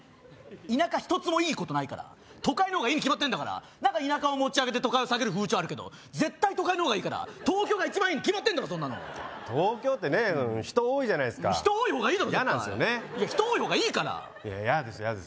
田舎一つもいいことないから都会の方がいいに決まってんだから田舎を持ち上げて都会を下げる風潮あるけど絶対都会の方がいいから東京が一番いいに決まってんだろ東京ってね人多いじゃないですか人多い方がいいだろ絶対嫌なんですよね人多い方がいいから嫌です嫌です